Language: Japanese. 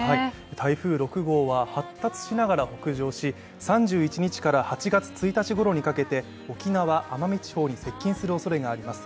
台風６号は発達しながら北上し、３１日から８月１日ごろにかけて沖縄・奄美地方に接近するおそれがあります。